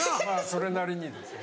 それなりにですね。